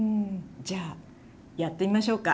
じゃあやってみましょうか？